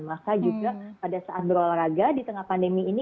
maka juga pada saat berolahraga di tengah pandemi ini